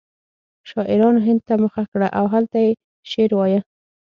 شاعرانو هند ته مخه کړه او هلته یې شعر وایه